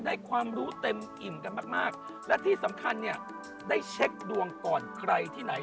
ความรู้เต็มอิ่มกันมากมากและที่สำคัญเนี่ยได้เช็คดวงก่อนใครที่ไหน